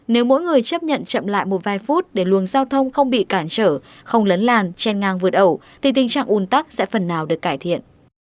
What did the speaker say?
nếu mỗi người chấp nhận chậm lại một vài phút để luồng giao thông không bị cản trở không lấn làn chen ngang vượt ẩu thì tình trạng un tắc sẽ phần nào được cải thiện